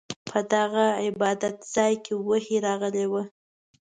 په دغه عبادت ځاې کې وحې راغلې وه.